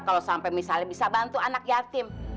kalau sampai misalnya bisa bantu anak yatim